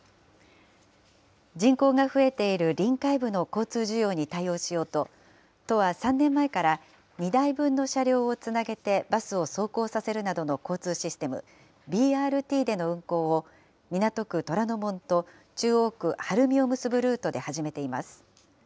人口が増えている臨海部の交通需要に対応しようと、都は３年前から、２台分の車両をつなげてバスを走行させるなどの交通システム、ＢＲＴでの運行を、港区虎ノ門と中央区晴海を結ぶルートで始めています。